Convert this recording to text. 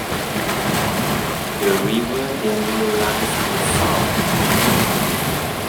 The River Devon lies to the south.